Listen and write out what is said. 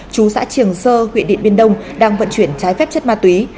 chú xã triềng sơ huyện điện biên đông đang vận chuyển trái phép chất ma túy